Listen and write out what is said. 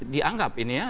dianggap ini ya